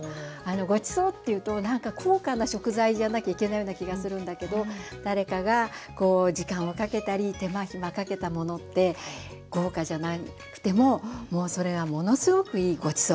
ごちそうというとなんか高価な食材じゃなきゃいけないような気がするんだけど誰かが時間をかけたり手間暇かけたものって豪華じゃなくてもそれはものすごくいいごちそう。